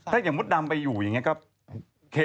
ถ้าอย่างมดดำไปอยู่อย่างนี้ก็